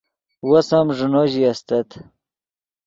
وس ام ݱینو استت